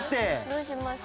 どうしますか？